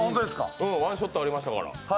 ワンショットありましたから。